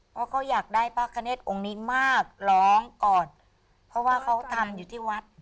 เพราะเขาอยากได้พระคเนธองค์นี้มากร้องก่อนเพราะว่าเขาทำอยู่ที่วัด